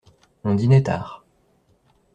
On dînait tard.